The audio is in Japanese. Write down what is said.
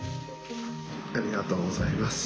ありがとうございます。